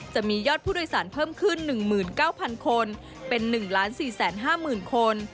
จะมียอดผู้โดยสารเพิ่มขึ้น๑๙๐๐คนเป็น๑๔๕๐๐๐คน